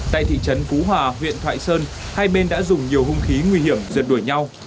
tại thị trấn phú hòa huyện thoại sơn hai bên đã dùng nhiều hung khí nguy hiểm rượt đuổi nhau